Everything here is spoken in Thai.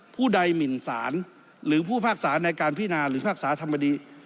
ผู้ใดหมินสารหรือผู้พิพากษาในการพินาหรือพากษาธรรมดี